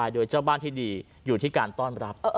โดยเจ้าบ้านที่ดีอยู่ที่การต้อนรับ